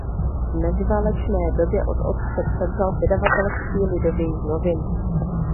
V meziválečné době od otce převzal vydavatelství Lidových novin.